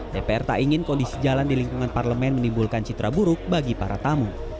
dpr tak ingin kondisi jalan di lingkungan parlemen menimbulkan citra buruk bagi para tamu